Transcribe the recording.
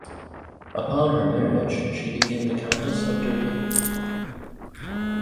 Upon her marriage she became the Countess of Derby.